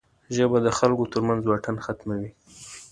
ژبه د خلکو ترمنځ واټن ختموي